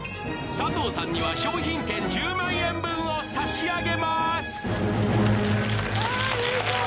佐藤さんには商品券１０万円分を差し上げます